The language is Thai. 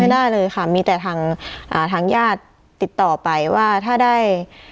ได้เลยค่ะมีแต่ทางอ่าทางญาติติดต่อไปว่าถ้าได้